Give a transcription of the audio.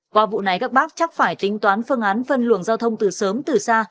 qua vụ này các bác chắc phải tính toán phương án phân luồng giao thông từ sớm từ xa